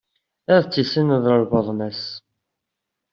Ad tessineḍ lbaḍna-s.